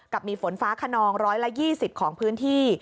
กับมีฝนฟ้าคนองร้อยละ๒๐ของพื้นที่